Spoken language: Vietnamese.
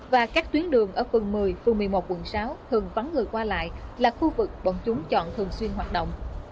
và các tuyến đường ở phường một mươi phường một mươi một quận sáu thường vắng người qua lại là khu vực bọn chúng chọn thường xuyên hoạt động